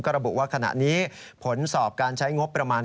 ระบุว่าขณะนี้ผลสอบการใช้งบประมาณ